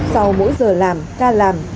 sau mỗi giờ làm ca làm